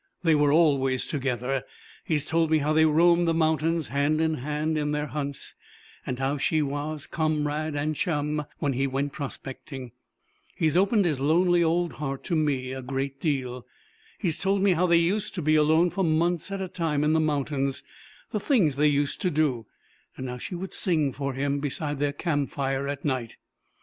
They were always together. He has told me how they roamed the mountains hand in hand in their hunts; how she was comrade and chum when he went prospecting. He has opened his lonely old heart to me a great deal. He's told me how they used to be alone for months at a time in the mountains, the things they used to do, and how she would sing for him beside their campfire at night.